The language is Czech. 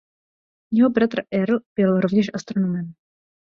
Jeho bratr Earl byl rovněž astronomem.